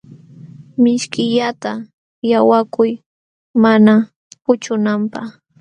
Mishkillata llaqwakuy mana puchunanpaq.